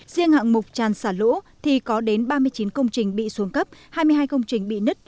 riêng hạng mục tràn xả lũ thì có đến ba mươi chín công trình bị xuống cấp hai mươi hai công trình bị nứt